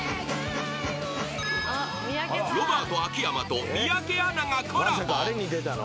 ［ロバート秋山と三宅アナがコラボ］